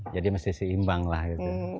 jadi mesti seimbang lah gitu